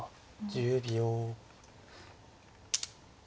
１０秒。